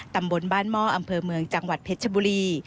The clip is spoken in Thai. ตำบลบ้านหม้ออำเภอเมืองจังหวัดเพชรชบุรี